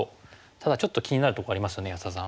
ただちょっと気になるとこありますよね安田さん。